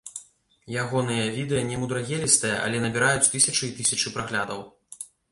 Ягоныя відэа немудрагелістыя, але набіраюць тысячы і тысячы праглядаў.